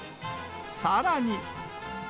さらに。